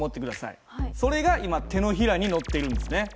それが今手のひらに載っているんですね。